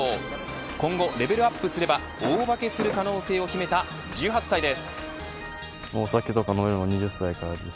今後レベルアップすれば大化けする可能性を秘めた１８歳です。